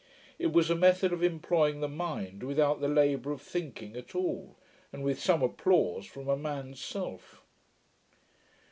It was a method of employing the mind, without the labour of thinking at all, and with some applause from a man's self.'